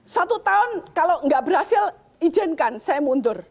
satu tahun kalau nggak berhasil izinkan saya mundur